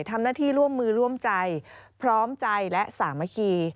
ทำหน้าที่ร่วมมือร่วมใจพร้อมใจและสามัคคี